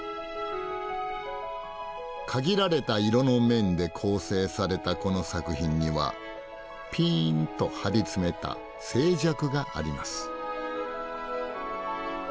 限られた色の面で構成されたこの作品にはピーンと張り詰めた静寂があります。